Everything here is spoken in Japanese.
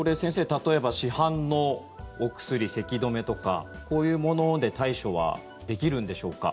例えば市販のお薬、せき止めとかこういうもので対処はできるんでしょうか。